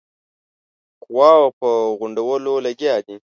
قواوو په غونډولو لګیا دی.